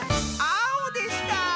あおでした！